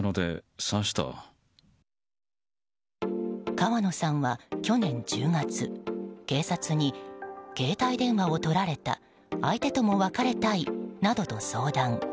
川野さんは去年１０月警察に、携帯電話を取られた相手とも別れたいなどと相談。